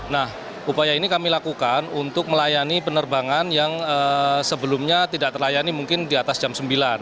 nah upaya ini kami lakukan untuk melayani penerbangan yang sebelumnya tidak terlayani mungkin di atas jam sembilan